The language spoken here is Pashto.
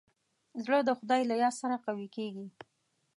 زړه د خدای له یاد سره قوي کېږي.